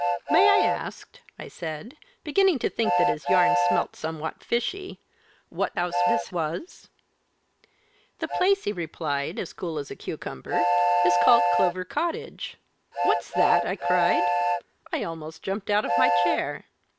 'May I ask,' I said, beginning to think that his yarn smelt somewhat fishy, 'what house this was?' 'The place,' he replied, as cool as a cucumber, 'is called Clover Cottage.' 'What's that!' I cried I almost jumped out of my chair.